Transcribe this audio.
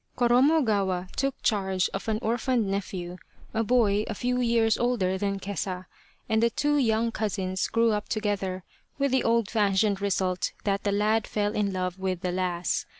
Koromogawa took charge of an orphaned nephew, a boy, a few years older than Kesa, and the two young cousins grew up together, with the old fashioned re sult that the lad fell in love with the lass.